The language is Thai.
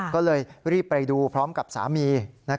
ก็เลยรีบไปดูพร้อมกับสามี